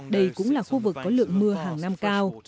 đây cũng là khu vực có lượng mưa hàng năm cao